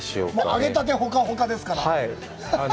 揚げたてほかほかですから。